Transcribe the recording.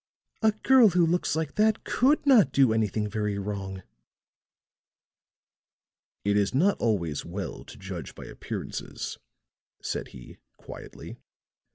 A girl who looks like that could not do anything very wrong." "It is not always well to judge by appearances," said he, quietly.